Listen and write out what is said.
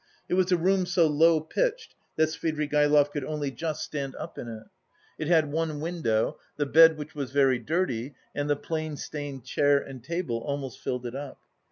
It was a room so low pitched that Svidrigaïlov could only just stand up in it; it had one window; the bed, which was very dirty, and the plain stained chair and table almost filled it up.